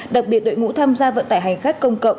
đặc biệt đội ngũ tham gia vận tải hành khách công cộng